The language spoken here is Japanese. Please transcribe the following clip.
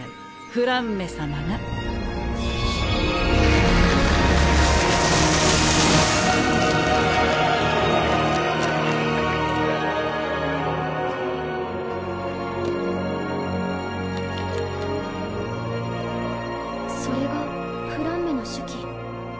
フランメ様がそれがフランメの手記？